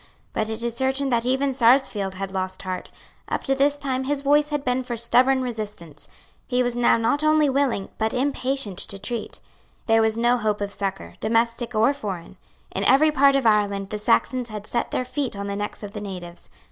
But it is certain that even Sarsfield had lost heart. Up to this time his voice had been for stubborn resistance. He was now not only willing, but impatient to treat. It seemed to him that the city was doomed. There was no hope of succour, domestic or foreign. In every part of Ireland the Saxons had set their feet on the necks of the natives.